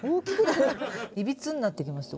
いびつになってきました。